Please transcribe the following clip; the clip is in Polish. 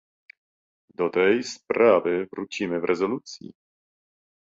Do tej sprawy wrócimy w rezolucji